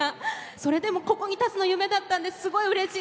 それでもここに立つの夢だったんですごいうれしいです。